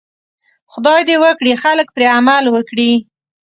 خدای دې وکړي خلک پرې عمل وکړي.